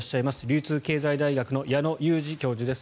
流通経済大学の矢野裕児教授です。